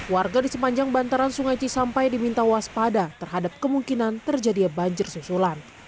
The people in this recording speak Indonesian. warga di sepanjang bantaran sungai cisampai diminta waspada terhadap kemungkinan terjadinya banjir susulan